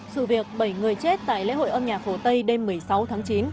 sự việc bảy người chết tại lễ hội âm nhạc phổ tây đêm một mươi sáu tháng chín